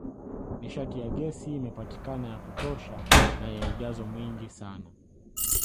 Nishati ya gesi imepatikana ya kutosha na yenye ujazo mwingi sana